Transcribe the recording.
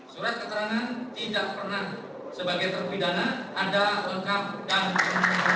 surat keterangan tidak pernah sebagai terpidana ada lengkap dan